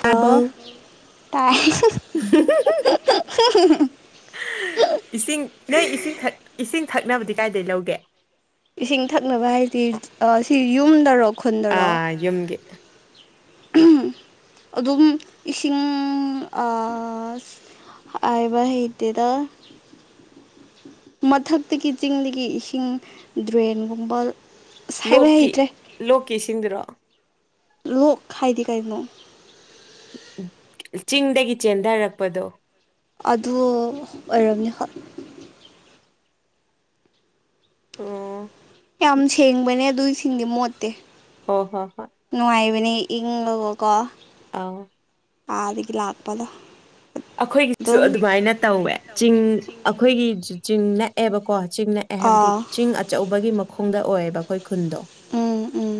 hello ꯇꯥꯕ꯭ꯔꯣ ꯇꯥꯏ [unintelligible] ꯏꯁꯤꯡ ꯅꯣꯏ ꯏꯁꯤꯡ ꯏꯁꯤꯡ ꯊꯛꯅꯕꯗꯤ ꯀꯥꯏꯗꯒꯤ ꯂꯧꯒꯦ ꯏꯁꯤꯡ ꯊꯛꯅꯕ ꯍꯥꯏꯗꯤ ꯁꯤ ꯌꯨꯝꯗꯔꯣ ꯈꯨꯟꯗꯔꯣ ꯑꯥ ꯌꯨꯝꯒꯤ ꯑꯗꯨꯝ ꯏꯁꯤꯡ ꯍꯥꯏꯕ ꯍꯩꯗꯦꯗ ꯃꯊꯛꯇꯒꯤ ꯆꯤꯡꯗꯒꯤ ꯏꯁꯤꯡ ꯗ꯭ꯔꯦꯟꯒꯨꯝꯕ ꯑꯁ ꯍꯥꯏꯕ ꯂꯣꯛꯀꯤ ꯍꯩꯇ꯭ꯔꯦ ꯂꯣꯛꯀꯤ ꯢꯁꯤꯡꯗꯨꯔꯣ ꯂꯣꯛ ꯈꯥꯏꯗꯤ ꯀꯩꯅꯣ ꯆꯤꯡꯗꯒꯤ ꯆꯦꯟꯊꯔꯛꯄꯗꯣ ꯑꯗꯨ ꯑꯣꯏꯔꯝꯅꯤ ꯍꯣꯢ ꯑꯣ ꯌꯥꯝ ꯁꯦꯡꯕꯅꯦ ꯑꯗꯨ ꯢꯁꯤꯡꯗꯤ ꯃꯣꯠꯇꯦ ꯍꯣ ꯍꯣ ꯍꯣꯏ ꯅꯨꯡꯉꯥꯏꯕꯅꯦ ꯏꯪꯉꯒꯀꯣ ꯑꯥꯎ ꯑꯥꯗꯒꯤ ꯂꯥꯛꯄꯗ ꯑꯩꯈꯣꯏꯒꯤꯁꯨ ꯑꯗꯨꯃꯥꯏꯅ ꯇꯧꯋꯦ ꯆꯤꯡ ꯑꯩꯈꯣꯏꯒꯤꯁꯨ ꯆꯤꯡ ꯅꯛꯑꯦꯕꯀꯣ ꯆꯤꯡ ꯑꯦ ꯍꯥꯏꯕꯗꯤ ꯑꯥ ꯆꯤꯡ ꯑꯆꯧꯕꯒꯤ ꯃꯈꯣꯡꯗ ꯑꯣꯏꯌꯦꯕ ꯑꯩꯈꯣꯏ ꯈꯨꯟꯗꯣ ꯎꯝ ꯎꯝ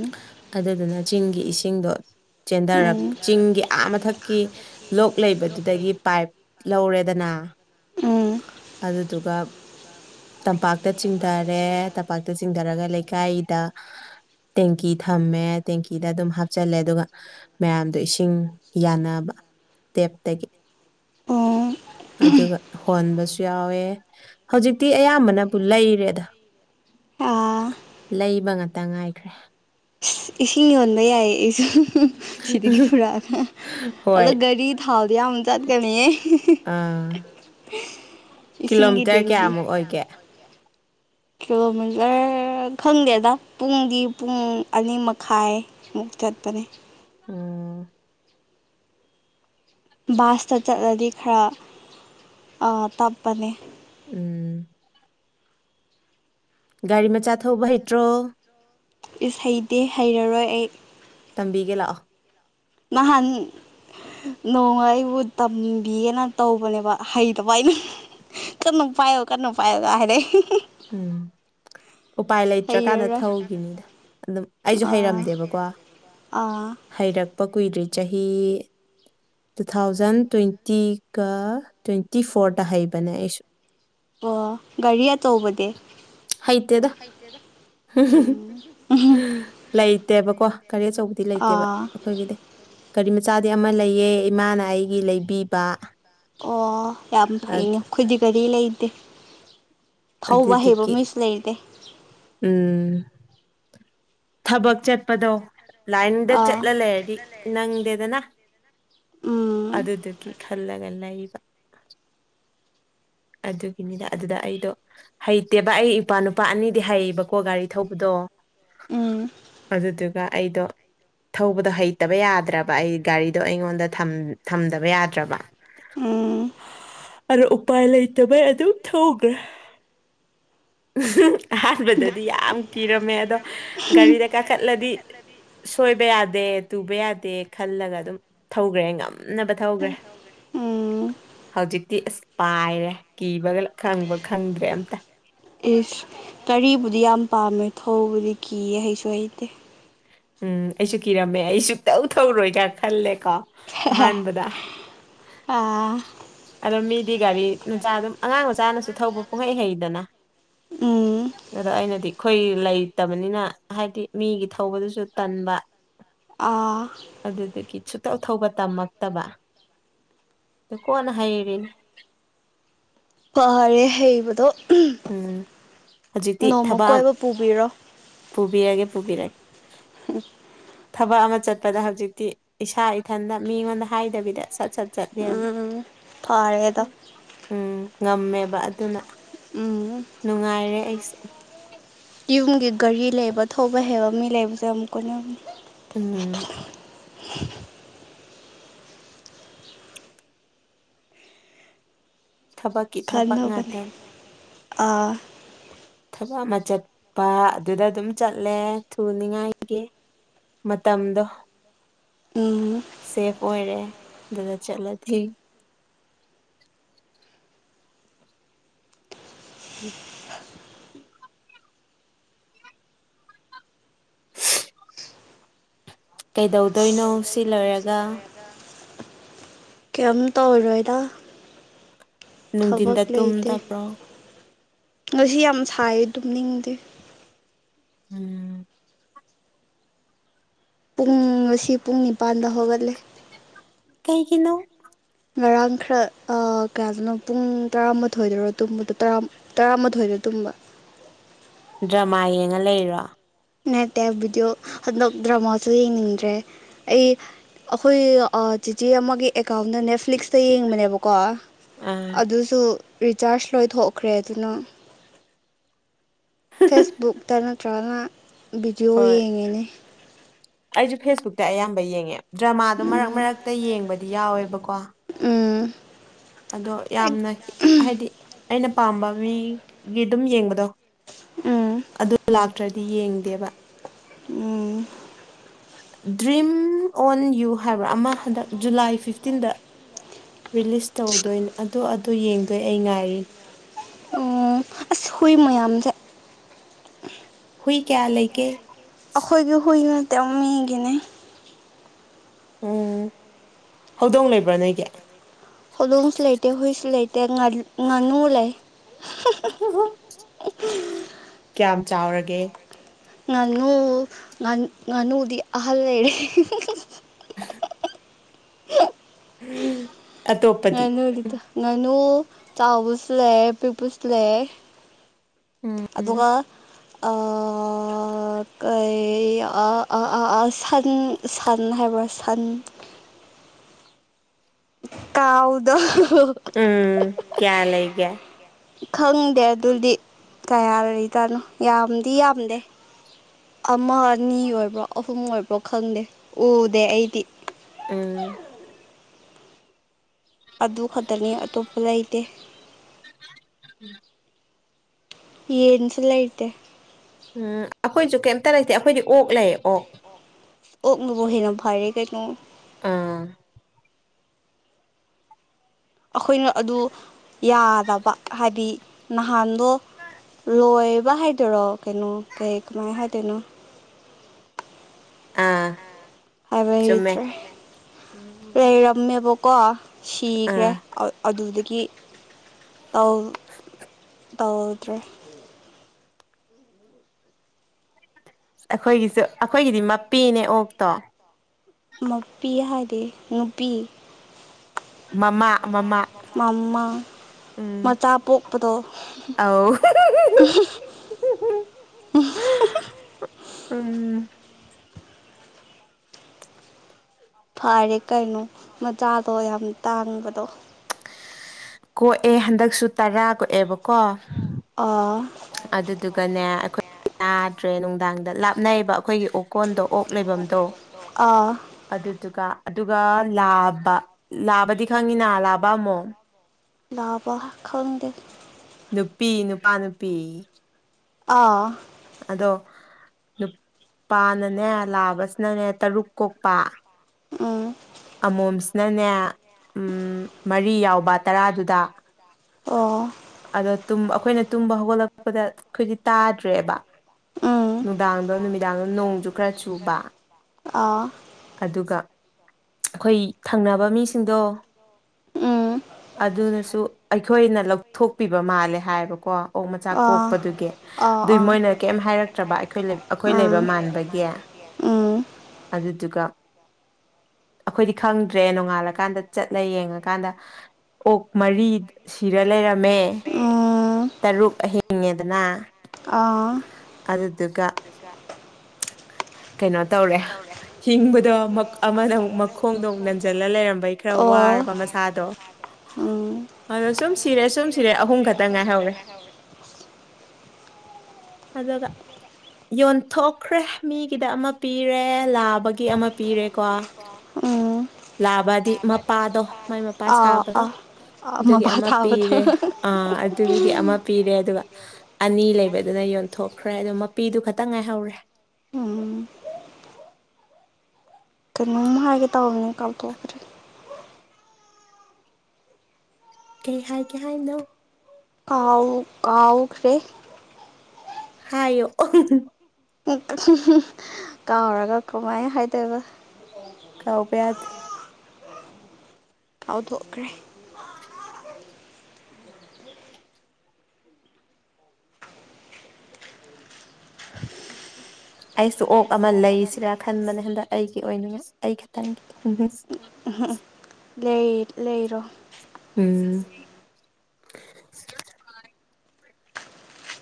ꯑꯗꯨꯗꯨꯅ ꯆꯤꯡꯒꯤ ꯏꯁꯤꯡꯗꯣ ꯆꯦꯟꯊꯔꯛ ꯎꯝ ꯆꯤꯡꯒꯤ ꯑꯥ ꯃꯊꯛꯀꯤ ꯂꯣꯛ ꯂꯩꯕꯗꯨꯗꯒꯤ ꯄꯥꯏꯞ ꯂꯧꯔꯦꯗꯅ ꯎꯝ ꯑꯗꯨꯗꯨꯒ ꯇꯝꯄꯥꯛꯇ ꯆꯤꯡꯊꯔꯦ ꯇꯝꯄꯥꯛ ꯇ ꯆꯤꯡꯊꯔꯒ ꯂꯩꯀꯥꯏꯗ ꯇꯦꯡꯀꯤ ꯊꯝꯃꯦ ꯇꯦꯡꯀꯤꯗ ꯑꯗꯨꯝ ꯍꯥꯞꯆꯜꯂꯦ ꯑꯗꯨꯒ ꯃꯌꯥꯝꯗꯣ ꯏꯁꯤꯡ ꯌꯥꯟꯅꯅꯕ ꯇꯦꯞꯇꯒꯤ ꯎꯝ ꯑꯗꯨꯒ ꯍꯣꯟꯕꯁꯨ ꯌꯥꯎꯋꯦ ꯍꯧꯖꯤꯛꯇꯤ ꯑꯌꯥꯝꯕꯅꯕꯨ ꯂꯩꯔꯦꯗ ꯑꯥ ꯂꯩꯕ ꯉꯥꯛꯇ ꯉꯥꯏꯈ꯭ꯔꯦ ꯑ ꯏꯁꯤꯡ ꯌꯣꯟꯕ ꯌꯥꯏꯌꯦ ꯑꯩꯁꯨ ꯁꯤꯗꯒꯤ ꯄꯨꯔꯛꯑꯒ ꯍꯣꯏ ꯑꯗꯣ ꯒꯥꯔꯤ ꯊꯥꯎꯗꯤ ꯌꯥꯝ ꯆꯠꯀꯅꯤꯌꯦ ꯑꯥ ꯏꯁꯤꯡꯒꯤ ꯀꯤꯂꯣꯃꯤꯇꯔ ꯗꯦꯡꯒꯤ ꯀꯌꯥꯃꯨꯛ ꯑꯣꯏꯒꯦ ꯀꯤꯂꯣꯃꯤꯇꯔ ꯈꯪꯗꯦꯗ ꯄꯨꯡꯗꯤ ꯄꯨꯡ ꯑꯅꯤ ꯃꯈꯥꯏ ꯃꯨꯛ ꯆꯠꯄꯅꯦ ꯑꯣꯝ ꯕꯥꯁꯇ ꯆꯠꯂꯗꯤ ꯈꯔ ꯇꯞꯄꯅꯦ ꯎꯝ ꯒꯥꯔꯤ ꯃꯆꯥ ꯊꯧꯕ ꯍꯩꯇ꯭ꯔꯣ ꯏꯁ ꯍꯩꯇꯦ ꯍꯩꯔꯔꯣꯏ ꯑꯩ ꯇꯝꯕꯤꯒꯦ ꯂꯥꯛꯑꯣ ꯅꯥꯍꯥꯟ ꯅꯣꯡꯃ ꯑꯩꯕꯨ ꯇꯝꯕꯤꯌꯦꯅ ꯇꯧꯕꯅꯦꯕ ꯍꯩꯇꯕ ꯑꯩꯅ ꯀꯟꯅꯥ ꯄꯥꯏꯌꯣ ꯀꯟꯅꯥ ꯄꯥꯏꯌꯣ ꯒꯥ ꯍꯥꯏꯔꯦ ꯎꯝ ꯎꯄꯥꯏ ꯂꯩꯇ꯭ꯔꯀꯥꯟꯗ ꯍꯩꯔꯔꯣꯏ ꯊꯧꯈꯤꯅꯤꯗ ꯑꯗꯨꯝ ꯑꯩꯁꯨ ꯑꯥ ꯍꯩꯔꯝꯗꯦꯕꯀꯣ ꯑꯥ ꯍꯩꯔꯛꯄ ꯀꯨꯏꯗ꯭ꯔꯤ ꯆꯍꯤ ꯇꯨ ꯊꯥꯎꯖꯟ ꯇ꯭ꯋꯦꯟꯇꯤꯒ ꯇ꯭ꯋꯦꯟꯇꯤ ꯐꯣꯔꯗ ꯍꯩꯕꯅꯦ ꯑꯩꯁꯨ ꯑꯣ ꯒꯥꯔꯤ ꯑꯆꯧꯕꯗꯤ ꯍꯩꯇꯦꯗ ꯎꯝ ꯂꯩꯇꯦꯕꯀꯣ ꯒꯥꯔꯤ ꯑꯆꯧꯕ ꯗꯤ ꯂꯩꯇꯦꯕ ꯑꯥ ꯑꯩꯈꯣꯏꯒꯤꯗꯤ ꯒꯥꯔꯤ ꯃꯆꯥꯗꯤ ꯑꯃ ꯂꯩꯌꯦ ꯏꯃꯥꯅ ꯑꯩꯒꯤ ꯂꯩꯕꯤꯕ ꯑꯣ ꯌꯥꯝ ꯐꯩꯅꯦ ꯑꯗ- ꯑꯩꯈꯣꯏꯗꯤ ꯒꯥꯔꯤ ꯂꯩꯇꯦ ꯊꯧꯕ ꯍꯩꯕ ꯑꯗꯨꯗꯨꯒꯤ ꯃꯤꯁꯨ ꯂꯩꯔꯤꯗꯦ ꯎꯝ ꯊꯕꯛ ꯆꯠꯄꯗꯣ ꯂꯥꯏꯟꯗ ꯑꯥ ꯆꯠꯂ ꯂꯩꯔꯗꯤ ꯅꯪꯗꯦꯗꯅ ꯎꯝ ꯑꯗꯨꯗꯨꯒꯤ ꯈꯜꯂꯒꯂ ꯂꯩꯕ ꯑꯗꯨꯒꯤꯅꯤꯗ ꯑꯗꯨꯗ ꯑꯩꯗꯣ ꯍꯩꯇꯦꯕ ꯑꯩ ꯏꯄꯥ ꯅꯨꯄꯥ ꯑꯅꯤꯗꯤ ꯍꯩꯌꯦꯕꯀꯣ ꯒꯥꯔꯤ ꯊꯧꯕꯗꯣ ꯎꯝ ꯑꯗꯨꯗꯨꯒ ꯑꯩꯗꯣ ꯊꯧꯕꯗꯣ ꯍꯩꯇꯕ ꯌꯥꯗ꯭ꯔꯕ ꯑꯩ ꯒꯥꯔꯤꯗꯣ ꯑꯩꯉꯣꯟꯗ ꯊꯝꯗꯕ ꯌꯥꯗ꯭ꯔꯕ ꯑꯝ ꯑꯣ ꯎꯄꯥꯏ ꯂꯩꯇꯕꯩ ꯑꯗꯨ ꯊꯧꯈ꯭ꯔꯦ ꯎ ꯑꯍꯥꯟꯕꯗꯗꯤ ꯌꯥꯝ ꯀꯤꯔꯝꯃꯦ ꯑꯗꯣ ꯒꯥꯔꯤꯗ ꯀꯥꯈꯠꯂꯗꯤ ꯁꯣꯏꯕ ꯌꯥꯗꯦ ꯇꯨꯕ ꯌꯥꯗꯦ ꯈꯜꯂꯒ ꯑꯗꯨꯝ ꯊꯧꯈ꯭ꯔꯦ ꯉꯝꯅꯕ ꯊꯧꯈ꯭ꯔꯦ ꯎꯝ ꯍꯧꯖꯤꯛꯇꯤ ꯑꯁ ꯄꯥꯏꯔꯦ ꯀꯤꯕꯒ ꯈꯪꯕ ꯈꯪꯗ꯭ꯔꯦ ꯑꯝꯇ ꯏꯁ ꯒꯔꯤꯕꯨꯗꯤ ꯌꯥꯝ ꯄꯥꯝꯃꯦ ꯊꯧꯕꯗꯤ ꯀꯤꯌꯦ ꯍꯩꯁꯨ ꯍꯩꯇꯦ ꯎꯝ ꯑꯩꯁꯨ ꯀꯤꯔꯝꯃꯦ ꯑꯩꯁꯨꯛꯇꯧ ꯊꯧꯔꯣꯏ ꯀꯥꯏ ꯈꯜꯂꯦ ꯀꯣ ꯑꯥ ꯑꯗꯣ ꯃꯤꯗꯤ ꯒꯥꯔꯤ ꯃꯆꯥ ꯑꯗꯨꯝ ꯑꯉꯥꯡ ꯃꯆꯥꯅꯁꯨ ꯊꯧꯕ ꯄꯨꯡꯍꯩ ꯍꯩꯗꯅ ꯎꯝ ꯑꯗꯣ ꯑꯩꯅꯗꯤ ꯑꯩꯈꯣꯏ ꯂꯩꯇꯕꯅꯤꯅ ꯍꯥꯏꯗꯤ ꯃꯤꯒꯤ ꯊꯧꯕꯗꯨꯁꯨ ꯇꯟꯕ [inaudible] ꯑꯥ ꯑꯗꯨꯗꯒꯤ ꯁꯨꯇꯧ ꯊꯧꯕ ꯇꯝꯃꯛꯇꯕ ꯑꯗꯨ ꯀꯣꯟꯅ ꯍꯔꯔꯤꯅꯦ ꯐꯔꯦ ꯍꯩꯕꯗꯣ ꯎꯝ ꯍꯧꯖꯤꯛꯇꯤ ꯅꯣꯡꯃ ꯊꯕꯛ ꯑꯃ ꯀꯣꯏꯕ ꯄꯨꯕꯤꯔꯣ ꯄꯨꯕꯤꯔꯒꯦ ꯄꯨꯕꯤꯔꯒꯦ ꯊꯕꯛ ꯑꯃ ꯆꯠꯄꯗ ꯍꯧꯖꯤꯛꯇꯤ ꯏꯁꯥ ꯏꯊꯟꯗ ꯃꯤꯉꯣꯟꯗ ꯍꯥꯏꯗꯕꯤꯗ ꯁꯠ ꯁꯠ ꯆꯠꯂꯦ ꯐꯥꯔꯦꯗ ꯎꯝ ꯉꯝꯃꯦꯕ ꯑꯗꯨꯅ ꯎꯝ ꯅꯨꯡꯉꯥꯏꯔꯦ ꯑꯩꯁꯨ ꯌꯨꯝꯒꯤ ꯒꯥꯔꯤ ꯂꯩꯕ ꯊꯧꯕ ꯍꯩꯕ ꯃꯤ ꯂꯩꯕꯁꯦ ꯌꯥꯝ ꯀꯣꯅꯕꯅꯦ ꯎꯝ ꯊꯕꯛ ꯐꯟꯅꯕꯅꯦ ꯉꯥꯛꯇꯅꯤ ꯑꯥ ꯊꯕꯛ ꯑꯃ ꯆꯠꯄ ꯑꯗꯨꯗ ꯑꯗꯨꯝ ꯆꯠꯂꯦ ꯊꯨꯅꯤꯡꯉꯥꯏꯒꯤ ꯃꯇꯝꯗꯣ ꯎꯝ ꯁꯦꯐ ꯑꯣꯏꯔꯦ ꯑꯗꯨꯗ ꯆꯠꯂꯗꯤ ꯀꯩꯗꯧꯗꯣꯏꯅꯣ ꯁꯤ ꯂꯣꯏꯔꯒ ꯀꯩꯝ ꯇꯧꯔꯣꯏꯗ ꯊꯕꯛ ꯅꯨꯡꯊꯤꯟꯗ ꯂꯩꯇꯦ ꯇꯨꯝꯗꯕ꯭ꯔꯣ ꯉꯁꯤ ꯌꯥꯝ ꯁꯥꯏ ꯇꯨꯝꯅꯤꯡꯗꯦ ꯎꯝ ꯄꯨꯡ ꯉꯁꯤ ꯄꯨꯡ ꯅꯤꯄꯥꯟꯗ ꯍꯧꯒꯠꯂꯦ ꯀꯩꯒꯤꯅꯣ ꯉꯔꯥꯡ ꯈꯔ ꯑ ꯀꯌꯥꯗꯅꯣ ꯄꯨꯡ ꯇꯔꯥꯃꯥꯊꯣꯏꯗꯔꯣ ꯇꯨꯝꯕꯗꯣ ꯇꯔꯥ ꯇꯔꯥꯃꯥꯊꯣꯏꯗ ꯇꯨꯝꯕ ꯗ꯭ꯔꯃꯥ ꯌꯦꯡꯉ ꯂꯩꯔꯤꯔꯣ ꯅꯠꯇꯦ ꯚꯤꯗꯤꯑꯣ ꯍꯟꯗꯛ ꯗ꯭ꯔꯃꯥꯁꯨ ꯌꯦꯡꯅꯤꯡꯗ꯭ꯔꯦ ꯑꯩ ꯑꯈꯣꯏ ꯆꯤꯆꯦ ꯑꯃꯒꯤ ꯑꯦꯀꯥꯎꯟꯗ ꯅꯦꯐ꯭ꯂꯤꯛꯁꯇ ꯌꯦꯡꯕꯅꯦꯕꯀꯣ ꯑꯥ ꯑꯗꯨꯁꯨ ꯔꯤꯆꯥꯔꯖ ꯂꯣꯏꯊꯣꯛꯈ꯭ꯔꯦ ꯑꯗꯨꯅ ꯐꯦꯁꯕꯨꯛꯇ ꯅꯠꯇ꯭ꯔꯒꯅ ꯚꯤꯗꯤꯑꯣ ꯍꯣꯏ ꯌꯦꯡꯉꯤꯅꯦ ꯑꯩꯁꯨ ꯐꯦꯁꯕꯨꯛꯇ ꯑꯌꯥꯝꯕ ꯌꯦꯡꯉꯦ ꯗ꯭ꯔꯃꯥꯗꯣ ꯃꯔꯛ ꯎꯝ ꯃꯔꯛꯇ ꯌꯦꯡꯕꯗꯤ ꯌꯥꯎꯋꯦꯕꯀꯣ ꯎꯝ ꯑꯗꯣ ꯌꯥꯝꯅ ꯍꯥꯏꯗꯤ ꯑꯩꯅ ꯄꯥꯝꯕ ꯃꯤꯒꯤꯗꯨꯝ ꯌꯦꯡꯕꯗꯣ ꯎꯝ ꯑꯗꯨ ꯂꯥꯛꯇ꯭ꯔꯗꯤ ꯌꯦꯡꯗꯦꯕ ꯎꯝ ꯗ꯭ꯔꯤꯝ ꯑꯣꯟ ꯌꯨ ꯍꯥꯏꯕ꯭ꯔꯥ ꯑꯃ ꯍꯟꯗꯛ ꯖꯨꯂꯥꯏ ꯐꯤꯐꯇꯤꯟꯗ ꯔꯤꯂꯤꯁ ꯇꯧꯗꯣꯏꯅꯦ ꯑꯗꯨ ꯑꯗꯨ ꯌꯦꯡꯗꯣꯏ ꯑꯩ ꯉꯥꯏꯔꯤ ꯎꯝ ꯍꯨꯏ ꯃꯌꯥꯝꯁꯦ ꯍꯨꯏ ꯀꯌꯥ ꯂꯩꯒꯦ ꯑꯈꯣꯏꯒꯤ ꯍꯨꯏ ꯅꯠꯇꯦ ꯃꯤꯒꯤꯅꯦ ꯎꯝ ꯍꯧꯗꯣꯡ ꯂꯩꯕ꯭ꯔ ꯅꯣꯏꯒꯤ ꯍꯧꯗꯣꯡꯁꯨ ꯂꯩꯇꯦ ꯍꯨꯏꯁꯨ ꯂꯩꯇꯦ ꯉꯥꯅꯨ ꯂꯩ ꯀ꯭ꯌꯥꯝ ꯆꯥꯎꯔꯒꯦ ꯉꯥꯅꯨ ꯉꯥꯅꯨꯗꯤ ꯑꯍꯜ ꯂꯩꯔꯦ [unintelligible] ꯑꯇꯣꯞꯄꯗꯤ ꯉꯥꯅꯨꯗꯤ ꯇꯨ ꯉꯥꯅꯨ ꯆꯥꯎꯕꯨꯁꯨ ꯂꯩꯌꯦ ꯄꯤꯛꯄꯁꯨ ꯂꯩꯌꯦ ꯎꯝ ꯑꯗꯨꯒ ꯑꯥ ꯑ ꯀꯩ ꯑ ꯑ ꯑ ꯑ ꯁꯟ ꯁꯟ ꯍꯥꯏꯕ꯭ꯔꯥ ꯁꯟ ꯀꯥꯎꯗꯣ ꯎꯝ ꯀ꯭ꯌꯥ ꯂꯩꯒꯦ ꯈꯪꯗꯦ ꯑꯗꯨꯗꯤ ꯀꯌꯥ ꯂꯩꯖꯥꯠꯅꯣ ꯌꯥꯝꯗꯤ ꯌꯥꯝꯗꯦ ꯑꯃ ꯑꯅꯤ ꯑꯣꯏꯕ꯭ꯔꯣ ꯑꯍꯨꯝ ꯑꯣꯏꯕ꯭ꯔꯣ ꯈꯪꯗꯦ ꯎꯗꯦ ꯑꯩꯗꯤ ꯎꯝ ꯑꯗꯨ ꯈꯛꯇꯅꯤ ꯑꯇꯣꯞꯄ ꯂꯩꯇꯦ [unintelligible] ꯌꯦꯟꯁꯨ ꯂꯩꯇꯦ ꯎꯝ ꯑꯈꯣꯏꯁꯨ ꯀꯩꯝꯇ ꯂꯩꯇꯦ ꯑꯩꯈꯣꯏꯗꯤ ꯑꯣꯛ ꯂꯩꯌꯦ ꯑꯣꯛ ꯑꯣꯛꯅꯕꯨ ꯍꯦꯟꯅ ꯐꯔꯦ ꯀꯩꯅꯣ ꯑꯥ ꯑꯈꯣꯏꯅ ꯑꯗꯨ ꯌꯥꯗꯕ ꯍꯥꯏꯗꯤ ꯅꯍꯟꯗꯣ ꯂꯣꯏꯕ ꯍꯥꯏꯗꯣꯏꯔꯣ ꯀꯩꯅꯣ ꯀꯩ ꯀꯃꯥꯏ ꯍꯥꯏꯗꯣꯏꯅꯣ ꯑꯥ ꯍꯥꯏꯕ ꯆꯨꯝꯃꯦ ꯍꯩꯇ꯭ꯔꯦ ꯂꯩꯔꯝꯃꯦꯕꯀꯣ ꯁꯤꯈ꯭ꯔꯦ ꯑꯥ ꯑꯗꯨꯗꯒꯤ ꯇꯧ ꯇꯧꯗ꯭ꯔꯦ ꯑꯩꯈꯣꯏꯒꯤꯁꯨ ꯑꯩꯈꯣꯏꯒꯤꯗꯤ ꯃꯄꯤꯅꯦ ꯑꯣꯛꯇꯣ ꯃꯄꯤ ꯍꯥꯏꯗꯤ ꯅꯨꯄꯤ ꯃꯃꯥ ꯃꯃꯥ ꯃꯃꯥ ꯎꯝ ꯃꯆꯥꯞ ꯄꯣꯛꯄꯗꯣ ꯑꯧ ꯎꯝ ꯎꯝ ꯐꯔꯦ ꯀꯩꯅꯣ ꯃꯆꯥꯗꯣ ꯌꯥꯝ ꯇꯥꯡꯕꯗꯣ ꯀꯣꯛꯑꯦ ꯍꯟꯗꯛꯁꯨ ꯇꯔꯥ ꯀꯣꯛꯑꯦꯕꯀꯣ ꯑꯥ ꯑꯗꯨꯗꯨꯒꯅꯦ ꯑꯩꯈꯣꯏ ꯌꯥꯥꯗ꯭ꯔꯦ ꯅꯨꯡꯗꯥꯡꯗ ꯂꯥꯞꯅꯩꯌꯦꯕ ꯑꯩꯈꯣꯏꯒꯤ ꯑꯣꯀꯣꯟꯗ ꯑꯣꯛ ꯂꯩꯐꯝꯗꯣ ꯑꯥ ꯑꯗꯨꯗꯨꯒ ꯑꯗꯨꯒ ꯂꯥꯕ ꯂꯥꯕꯗꯤ ꯈꯪꯉꯤꯅꯥ ꯂꯥꯕ ꯑꯃꯣꯝ ꯂꯥꯕ ꯈꯪꯗꯦ ꯅꯨꯄꯤ ꯅꯨꯄꯥ ꯅꯨꯄꯤ ꯑꯥ ꯑꯗꯣ ꯅꯨꯄꯥꯅꯅꯦ ꯂꯥꯕꯁꯤꯅꯅꯦ ꯇꯔꯨꯛ ꯀꯣꯛꯄ ꯎꯝ ꯑꯃꯣꯝꯁꯤꯅꯅꯦ ꯃꯔꯤ ꯌꯥꯎꯕ ꯇꯔꯥꯗꯨꯗ ꯑꯣ ꯑꯗꯣ ꯇꯨꯝ ꯑꯩꯈꯣꯏꯅ ꯇꯨꯝꯕ ꯍꯧꯒꯠꯂꯛꯄꯗ ꯑꯩꯈꯣꯏꯗꯤ ꯇꯥꯗ꯭ꯔꯦꯕ ꯎꯝ ꯅꯨꯡꯗꯥꯡꯗꯣ ꯅꯨꯃꯤꯗꯥꯡꯗꯣ ꯅꯣꯡꯖꯨ ꯈꯔ ꯆꯨꯕ ꯑꯥ ꯑꯗꯨꯒ ꯑꯩꯈꯣꯏ ꯊꯪꯅꯕ ꯃꯤꯁꯤꯡꯗꯣ ꯎꯝ ꯑꯗꯨꯅꯁꯨ ꯑꯩꯈꯣꯏꯅ ꯂꯧꯊꯣꯛꯄꯤꯕ ꯃꯥꯜꯂꯦ ꯍꯥꯏꯌꯦꯕ ꯀꯣ ꯑꯣꯛ ꯃꯆꯥ ꯑꯥ ꯀꯣꯛꯄꯗꯨꯒꯤ ꯑꯥ ꯑꯗꯨꯏ ꯑꯥ ꯃꯣꯏꯅ ꯀꯤꯝ ꯍꯥꯏꯔꯛ ꯇ꯭ꯔꯕ ꯑꯩꯈꯣꯏ ꯑꯩꯈꯣꯏ ꯂꯩꯕ ꯃꯥꯟꯕꯒꯤ ꯑꯣꯛ ꯑꯗꯨꯗꯨꯒ ꯑꯩꯈꯣꯏꯗꯤ ꯈꯪꯗ꯭ꯔꯦ ꯅꯣꯡꯉꯥꯜꯂ ꯀꯥꯟꯗ ꯆꯠꯂ ꯌꯦꯡꯉꯀꯥꯟꯗ ꯑꯣꯛ ꯃꯔꯤ ꯁꯤꯔ ꯂꯩꯔꯝꯃꯦ ꯑꯣ ꯇꯔꯨꯛ ꯑꯍꯤꯡꯉꯦꯗꯅ ꯑꯥ ꯑꯗꯨꯗꯨꯒ ꯀꯩꯅꯣ ꯇꯧꯔꯦ ꯍꯤꯡꯕꯗꯣ ꯑꯃꯥꯅ ꯑꯃꯨꯛ ꯃꯈꯣꯡꯗꯣ ꯅꯟꯖꯤꯜꯂꯒ ꯂꯩꯔꯝꯕꯩ ꯈꯔ ꯑꯣ ꯋꯥꯔꯕ ꯃꯁꯥꯗꯣ ꯃꯁꯥꯗꯣ ꯑꯗꯣ ꯁꯨꯝ ꯁꯤꯔꯦ ꯁꯨꯝ ꯁꯤꯔꯦ ꯑꯍꯨꯝ ꯈꯛꯇꯪ ꯉꯥꯏꯍꯧꯔꯦ ꯑꯗꯨꯒ ꯌꯣꯟꯊꯣꯛ ꯈ꯭ꯔꯦ ꯃꯤꯒꯤꯗ ꯑꯃꯥ ꯄꯤꯔꯦ ꯂꯥꯕꯒꯤ ꯑꯃꯥ ꯄꯤꯔꯦ ꯀꯣ ꯑꯣ ꯂꯥꯛꯕꯗꯤ ꯃꯄꯥꯗꯣ ꯃꯥꯏ ꯃꯄꯥ ꯑꯥ ꯁꯥꯕꯗꯣ ꯑꯥ ꯑꯥ ꯑꯗꯨꯒꯤ ꯃꯄꯥ ꯑꯃꯥ ꯊꯥꯕꯗꯣ ꯄꯤꯔꯦ ꯑꯥ ꯑꯗꯨꯒꯤ ꯑꯃꯥ ꯄꯤꯔꯦ ꯑꯗꯨꯒ ꯑꯅꯤ ꯂꯩꯕꯗꯨꯅ ꯌꯣꯟꯊꯣꯛꯈ꯭ꯔꯦ ꯑꯣ ꯃꯄꯤꯗꯨ ꯈꯛꯇꯪ ꯉꯥꯏꯍꯧꯔꯦ [unintelligible] ꯀꯩꯅꯣꯝ ꯍꯥꯏꯒꯦ ꯇꯧꯕꯅꯤ ꯀꯥꯎꯊꯣꯛꯈ꯭ꯔꯦ ꯀꯩ ꯍꯥꯏꯒꯦ ꯍꯥꯏꯅꯣ ꯀꯥꯎ ꯀꯥꯎꯈ꯭ꯔꯦ ꯍꯥꯏꯌꯣ [unintelligible] [unintelligible] ꯀꯥꯎꯔꯒ ꯀꯃꯥꯏꯟ ꯍꯥꯏꯗꯣꯏꯕ ꯀꯥꯎꯕ ꯌꯥꯗꯦ ꯀꯥꯎꯊꯣꯛꯈ꯭ꯔꯦ ꯑꯩꯁꯨ ꯑꯣꯛ ꯑꯃꯥ ꯂꯩꯁꯤꯔ ꯈꯟꯕꯅꯦ ꯍꯟꯗꯛ ꯑꯩꯒꯤ ꯑꯣꯏꯅꯤꯉꯥꯏ ꯑꯩ ꯈꯛꯒꯤ [unintelligible] ꯂꯩ ꯂꯩꯔꯣ ꯑꯝ